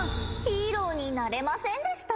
ヒーローになれませんでした。